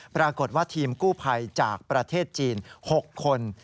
ปรากฏว่าทีมกู้ภัยจากประเทศจีน๖คน